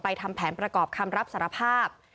ทำแผนประกอบคำรับสารภาพ